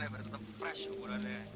hei lo mau kemana